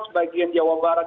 sebagian jawa barat